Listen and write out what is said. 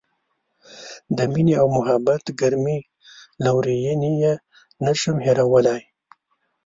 د مینې او محبت ګرمې لورینې یې نه شم هیرولای.